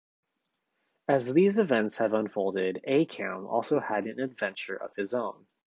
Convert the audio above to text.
As these events have unfolded, A-cam also had an adventure of his own.